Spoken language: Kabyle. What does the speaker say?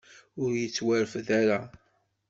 Ur yettwarfed ara.